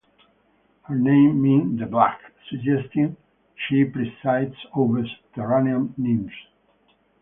Her name meant "the black," suggesting she presides over subterranean nymphs.